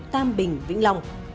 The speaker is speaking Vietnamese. nam bình vĩnh long